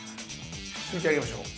突いてあげましょう。